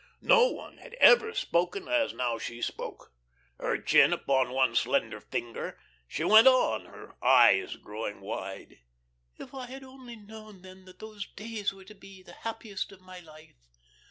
No one had ever spoken as now she spoke. Her chin upon one slender finger, she went on, her eyes growing wide: "If I had only known then that those days were to be, the happiest of my life....